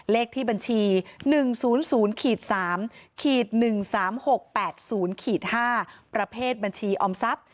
เลขที่บัญชี๑๐๐๓๑๓๖๘๐๕ประเภทบัญชีออมทรัพย์